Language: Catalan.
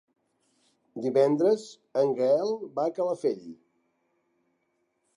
Divendres en Gaël va a Calafell.